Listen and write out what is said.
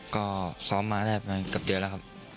ก็ซ้อมมาได้ประมาณเกือบเดือนแล้วครับ